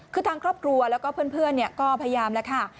คือทางครอบครัวแล้วก็เพื่อนก็พยายามแล้วค่ะ